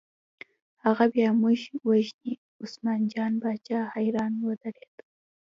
هغه بیا موږ وژني، عثمان جان باچا حیران ودرېد.